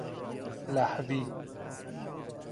لهوی